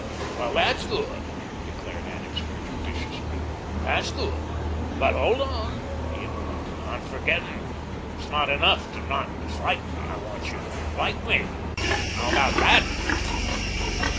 "Well, that's good," declared Annixter judicially. "That's good. But hold on," he interrupted, "I'm forgetting. It's not enough to not dislike me. I want you to like me. How about THAT?"